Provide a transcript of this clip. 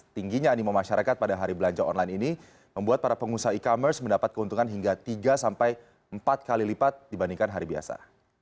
tingginya animo masyarakat pada hari belanja online ini membuat para pengusaha e commerce mendapat keuntungan hingga tiga sampai empat kali lipat dibandingkan hari biasa